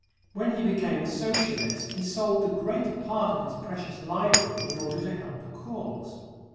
When he became a Socialist, he sold the greater part of his precious library in order to help the cause.